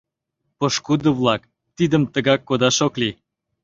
Пошкудо-влак, тидым тыгак кодаш ок лий.